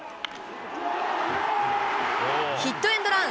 ヒットエンドラン。